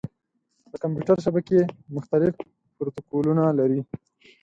د کمپیوټر شبکې مختلف پروتوکولونه لري.